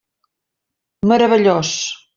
Meravellós.